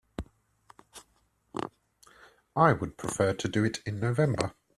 I would prefer to do it in November.